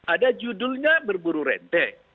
ada judulnya berburu rente